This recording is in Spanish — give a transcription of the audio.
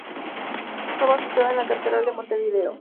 Fue bautizada en la Catedral de Montevideo.